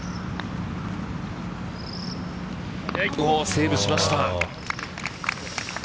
セーブしました。